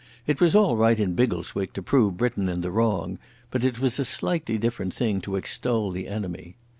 It was all right in Biggleswick to prove Britain in the wrong, but it was a slightly different thing to extol the enemy.